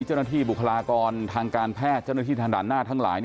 บุคลากรทางการแพทย์เจ้าหน้าที่ทางด่านหน้าทั้งหลาย